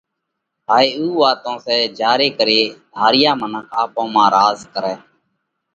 هائي اُو واتون سئہ جيا ري ڪري ڌاريا منک آپون مانه راز ڪرئه